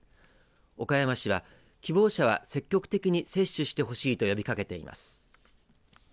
岡山市は、希望者は積極的に接種してほしいと呼びかけています。